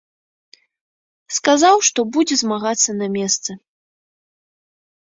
Сказаў, што будзе змагацца на месцы.